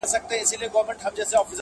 پر بچو د توتکۍ چي یې حمله کړه -